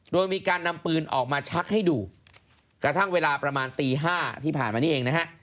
โดยมีการนำปืนออกมาชักให้ดูกระทั่งเวลาประมาณตีห้าที่ผ่านมานี้เองนะฮะ